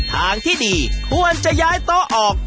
ทางที่ดีควรจะย้ายโต๊ะออก